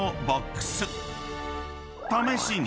［試しに］